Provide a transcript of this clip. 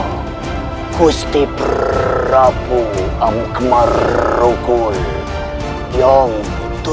menurut saya teh perlu kita beri pelajaran kepada mereka gitu